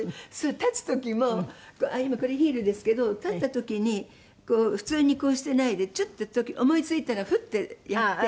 立つ時も今これヒールですけど立った時にこう普通にこうしてないでちょっと思い付いたらフッてやってはい。